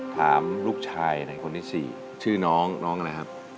ถามลูกชายไหนคนที่๔ชื่อน้องน้องอะไรครับ